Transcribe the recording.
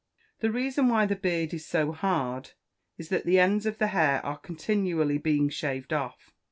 The reason why the beard is so hard is, that the ends of the hair are continually being shaved off.